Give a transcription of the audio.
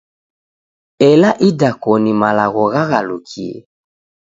Ela idakoni malagho ghaghalukie.